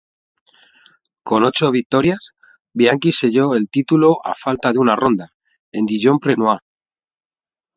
Con ocho victorias, Bianchi selló el título a falta de una ronda, en Dijon-Prenois.